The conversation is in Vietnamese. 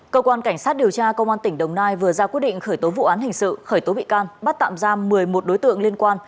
cơ quan cảnh sát điều tra công an tỉnh đồng nai vừa ra quyết định khởi tố vụ án hình sự khởi tố bị can bắt tạm giam một mươi một đối tượng liên quan